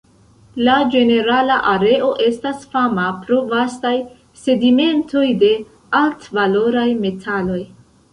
La ĝenerala areo estas fama pro vastaj sedimentoj de altvaloraj metaloj.